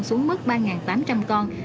xuống mức ba tám trăm linh con